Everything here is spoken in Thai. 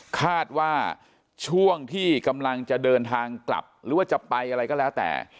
คาดว่าช่วงที่กำลังจะเดินทางกลับหรือว่าจะไปอะไรก็แล้วแต่